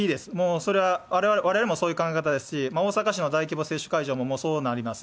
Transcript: それはもうわれわれもそういう考え方ですし、大阪市の大規模接種会場もそうなります。